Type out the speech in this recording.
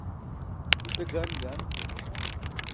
gute gan gan